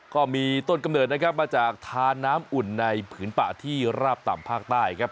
ก็มีต้นกำเนิดนะครับมาจากทานน้ำอุ่นในผืนป่าที่ราบต่ำภาคใต้ครับ